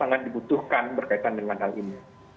jadi itu yang dibutuhkan berkaitan dengan hal ini